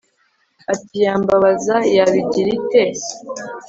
Ati Yambabaza yabigira ite